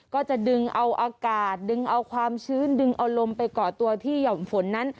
ก็จะดึงเอาอากาศดึงเอาความชื้นดึงเอาลมไปก่อตัวที่ห่อมฝนนั้น